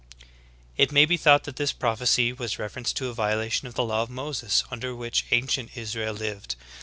"^ 21. It may be thought that this prophecy has reference to a violation of the law of Moses under which ancient Israel lived.